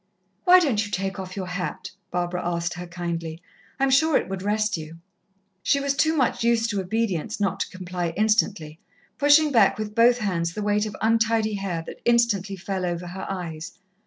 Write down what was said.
"Why don't you take off your hat?" Barbara asked her kindly. "I am sure it would rest you." She was too much used to obedience not to comply instantly, pushing back with both hands the weight of untidy hair that instantly fell over her eyes.